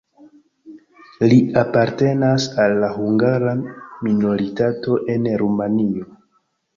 Li apartenas al la hungara minoritato en Rumanio.